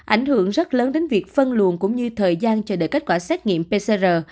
ảnh hưởng rất lớn đến việc phân luồn cũng như thời gian chờ đợi kết quả xét nghiệm pcr